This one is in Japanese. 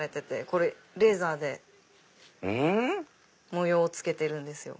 これレーザーで模様をつけてるんですよ。